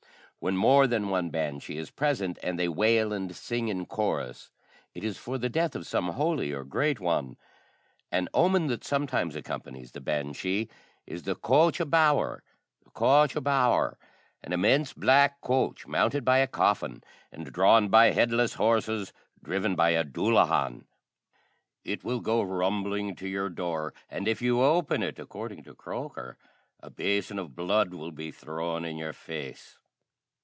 When more than one banshee is present, and they wail and sing in chorus, it is for the death of some holy or great one. An omen that sometimes accompanies the banshee is the coach a bower [cóiste bodhar] an immense black coach, mounted by a coffin, and drawn by headless horses driven by a Dullahan. It will go rumbling to your door, and if you open it, according to Croker, a basin of blood will be thrown in your face.